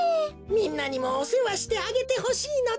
みんなにもおせわしてあげてほしいのだ。